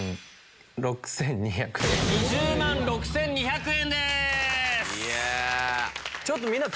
２０万６２００円。